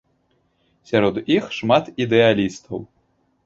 Сярод іх шмат ідэалістаў.